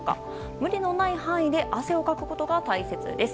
無理のない範囲で汗をかくことが大切です。